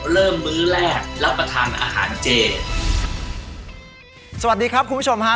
มื้อแรกรับประทานอาหารเจสวัสดีครับคุณผู้ชมฮะ